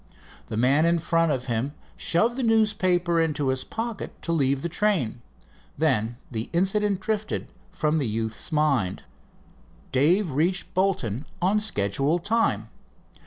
The man in front of him shoved the newspaper into his pocket to leave the train. Then the incident drifted from the youth's mind. Dave reached Bolton on schedule time.